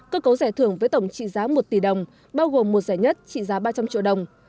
cơ cấu giải thưởng với tổng trị giá một tỷ đồng bao gồm một giải nhất trị giá ba trăm linh triệu đồng